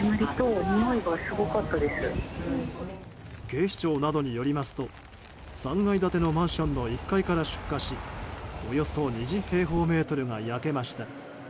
警視庁などによりますと３階建てのマンションの１階から出火しおよそ２０平方メートルが焼けました。